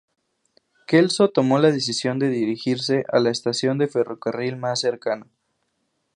Kelso tomó la decisión de dirigirse a la estación de ferrocarril más cercana.